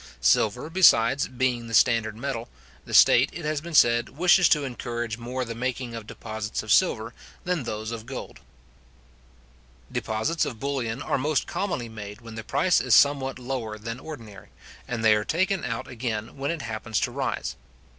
Silver, besides, being the standard metal, the state, it has been said, wishes to encourage more the making of deposits of silver than those of gold. Deposits of bullion are most commonly made when the price is somewhat lower than ordinary, and they are taken out again when it happens to rise.